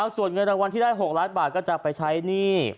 ส่วนเงินรางวัลที่ได้๖ล้านบาทก็จะไปใช้หนี้